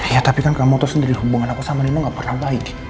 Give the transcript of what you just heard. ya tapi kan kamu tahu sendiri hubungan aku sama nemo gak pernah baik